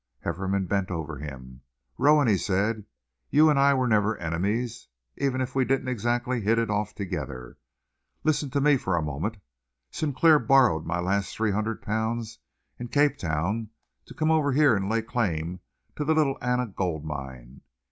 Hefferom bent over him. "Rowan," he said, "you and I were never enemies, even if we didn't exactly hit it off together. Listen to me for a moment. Sinclair borrowed my last three hundred pounds in Cape Town to come over here and lay claim to the Little Anna Gold Mine.